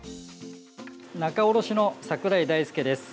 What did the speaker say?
仲卸の櫻井大介です。